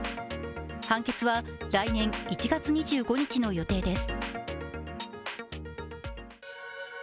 判決は来年１月２５日の予定です。